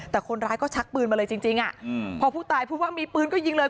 แต่คนร้ายก็ชักปืนมาเลยจริงพอผู้ตายพูดว่ามีปืนก็ยิงเลย